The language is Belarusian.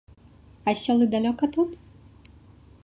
А сёлы далёка тут?